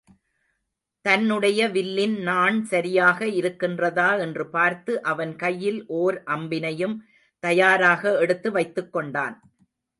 தன்னுடைய வில்லில் நாண் சரியாக இருக்கின்றதா என்று பார்த்து, அவன் கையில் ஓர் அம்பினையும் தயாராக எடுத்து வைத்துக்கொண்டான்.